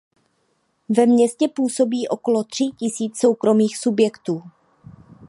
Ve městě působí okolo tří tisíc soukromých subjektů.